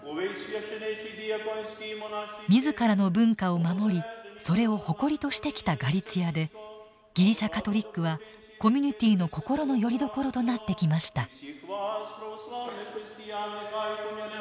自らの文化を守りそれを誇りとしてきたガリツィアでギリシャ・カトリックはコミュニティーの心のよりどころとなってきました。